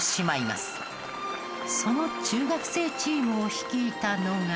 その中学生チームを率いたのが。